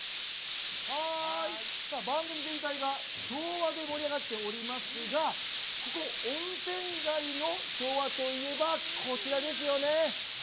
番組全体が昭和で盛り上がっておりますがここ、温泉街の昭和といえばこちらですよね。